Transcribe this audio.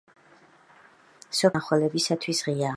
სოფელი მნახველებისათვის ღიაა.